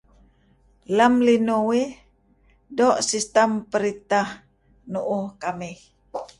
Lem linuh uih, doo' sistem peritah nu'uh kamih.